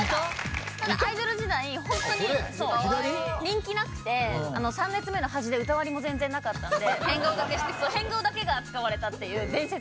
ただアイドル時代ホントに人気なくて３列目の端で歌割りも全然なかったんで変顔だけが使われたっていう伝説のＭＶです。